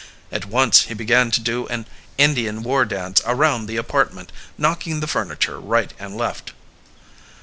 At once he began to do an Indian war dance around the apartment, knocking the furniture right and left.